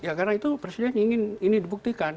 ya karena itu presiden ingin ini dibuktikan